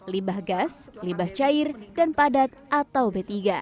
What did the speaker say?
limbah gas limbah cair dan padat atau b tiga